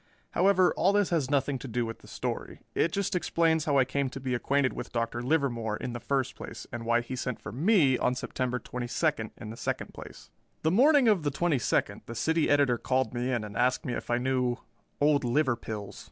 However, all this has nothing to do with the story. It just explains how I came to be acquainted with Dr. Livermore, in the first place, and why he sent for me on September twenty second, in the second place. The morning of the twenty second the City Editor called me in and asked me if I knew "Old Liverpills."